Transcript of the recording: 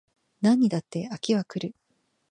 何にだって飽きは来る